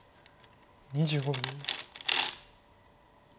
２５秒。